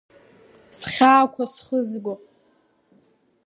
Схьаақәа схызго…